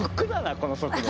この速度。